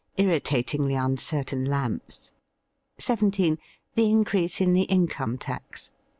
Irritatingly uncertain lamps. 17. The increase in the income tax.